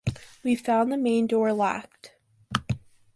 We found the main door locked.